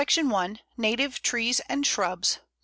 PART I. NATIVE TREES AND SHRUBS.